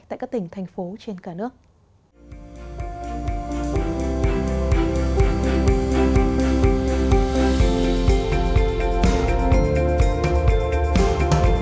tại các tỉnh thành phố trên cả nước